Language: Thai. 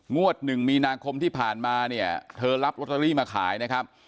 หนึ่งมีนาคมที่ผ่านมาเนี่ยเธอรับลอตเตอรี่มาขายนะครับ